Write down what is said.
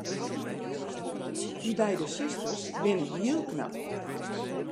Dy beide susters binne hiel knap.